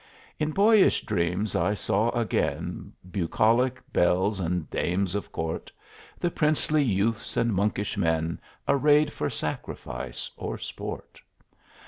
In boyish dreams I saw again Bucolic belles and dames of court, The princely youths and monkish men Arrayed for sacrifice or sport.